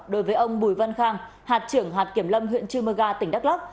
đối với ông bùi văn khang hạt trưởng hạt kiểm lâm huyện chư mơ ga tỉnh đắk lắc